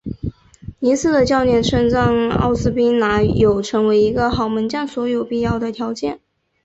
尼斯的教练称赞奥斯宾拿有成为一个好门将所有必要的条件。